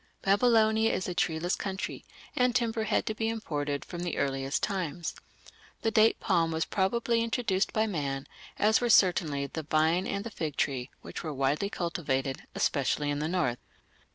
Babylonia is a treeless country, and timber had to be imported from the earliest times. The date palm was probably introduced by man, as were certainly the vine and the fig tree, which were widely cultivated, especially in the north.